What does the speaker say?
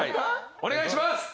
お願いします！